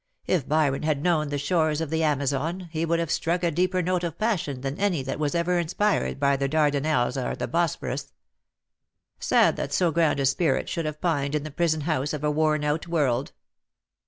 If Byron had known the shores of the Amazon, he would have struck a deeper note of passion than any that was ever inspired by the Dardanelles or the Bosphorus. Sad that so grand a spirit should have pined in the prison house of a worn out world.''